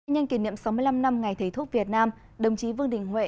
nhân kỷ niệm sáu mươi năm năm ngày thầy thuốc việt nam đồng chí vương đình huệ